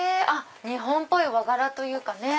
日本っぽい和柄というかね。